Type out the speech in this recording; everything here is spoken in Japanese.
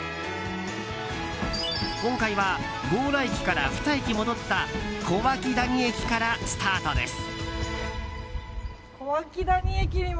今回は強羅駅から２駅戻った小涌谷駅からスタートです。